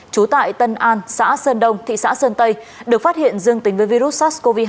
trú tại tân an xã sơn đông thị xã sơn tây được phát hiện dương tính với virus sars cov hai